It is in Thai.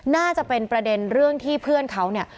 น่าจะเป็นประเด็นเรื่องที่เพื่อนเขาเนี่ย